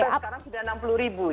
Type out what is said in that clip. sekarang sudah enam puluh ribu ya